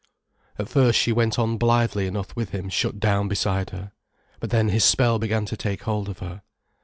At first she went on blithely enough with him shut down beside her. But then his spell began to take hold of her.